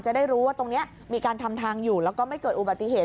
จะได้รู้ว่าตรงนี้มีการทำทางอยู่แล้วก็ไม่เกิดอุบัติเหตุ